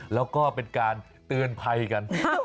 แล้วก็เป็นการเตือนภัยกัน